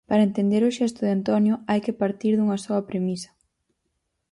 Para entender o xesto de Antonio hai que partir dunha soa premisa.